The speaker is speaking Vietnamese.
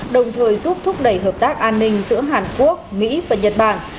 đồng thời giúp thúc đẩy hợp tác an ninh giữa hàn quốc mỹ và nhật bản